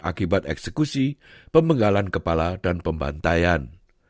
akibat eksekusi pemenggalan kepala dan pembantaian